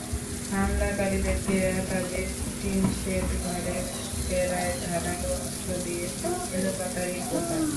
হামলাকারী ব্যক্তিরা তাঁদের টিনশেড ঘরের বেড়ায় ধারালো অস্ত্র দিয়ে এলোপাতাড়ি কোপায়।